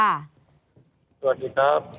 สวัสดีครับ